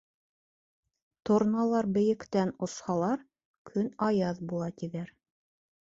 Торналар бейектән осһалар, көн аяҙ була, тиҙәр.